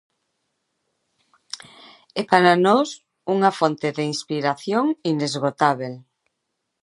É para nós unha fonte de inspiración inesgotábel.